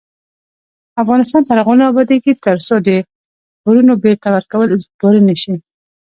افغانستان تر هغو نه ابادیږي، ترڅو د پورونو بیرته ورکول اجباري نشي.